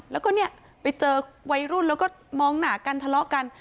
แล้วก็เนี่ยไปเจอวัยรุ่นแล้วก็มองหนากันทะเลาะกัน